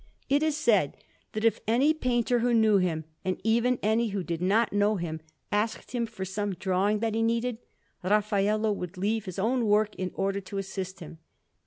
It is said that if any painter who knew him, and even any who did not know him, asked him for some drawing that he needed, Raffaello would leave his own work in order to assist him.